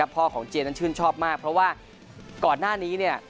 พ่อของเจนชื่นชอบมากเพราะว่าก่อนหน้านี้